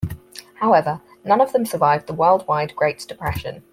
However, none of them survived the worldwide Great Depression.